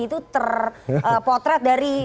itu terpotret dari